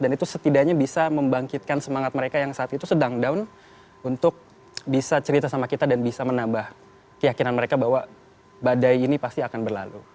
dan itu setidaknya bisa membangkitkan semangat mereka yang saat itu sedang down untuk bisa cerita sama kita dan bisa menambah keyakinan mereka bahwa badai ini pasti akan berlalu